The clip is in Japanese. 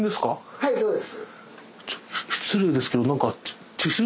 はいそうです。